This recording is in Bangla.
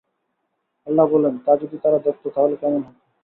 আল্লাহ বলেন, তা যদি তারা দেখত তাহলে কেমন হতো?